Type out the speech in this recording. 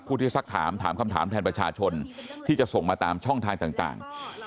ที่สักถามถามคำถามแทนประชาชนที่จะส่งมาตามช่องทางต่าง